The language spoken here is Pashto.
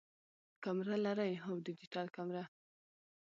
کمره لرئ؟ هو، ډیجیټل کمره